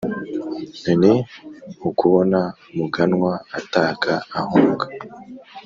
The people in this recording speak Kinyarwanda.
ni ukubona muganwa ataka ahunga,